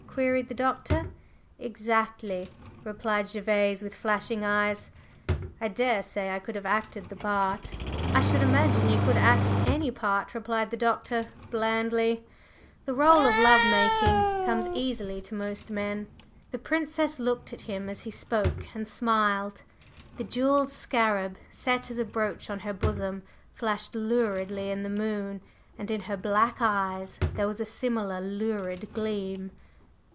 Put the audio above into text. queried the Doctor. "Exactly!" replied Gervase with flashing eyes; "I daresay I could have acted the part." "I should imagine you could act any part," replied the Doctor, blandly. "The rôle of love making comes easily to most men." The Princess looked at him as he spoke and smiled. The jewelled scarab, set as a brooch on her bosom, flashed luridly in the moon, and in her black eyes there was a similar lurid gleam.